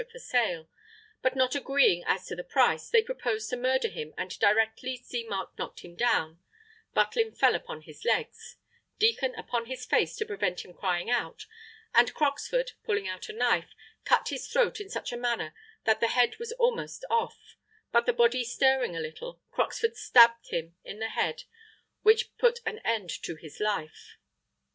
for sale, but not agreeing as to the price, they proposed to murder him and directly Seamark knocked him down, Butlin fell upon his legs, Deacon upon his face to prevent him crying out and Croxford, pulling out a knife, cut his throat in such a manner that the head was almost off, but the body stirring a little, Croxford stabbed him in the head which put an end to his life.